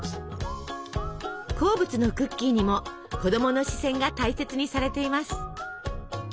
好物のクッキーにも子供の視線が大切にされています。